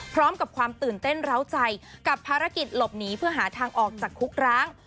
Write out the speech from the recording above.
ความตื่นเต้นร้าวใจกับภารกิจหลบหนีเพื่อหาทางออกจากคุกร้าง